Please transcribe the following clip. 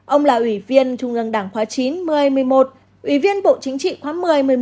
ông là ủy viên trung ương đảng khóa chín một mươi một mươi một ủy viên bộ chính trị khóa một mươi một mươi một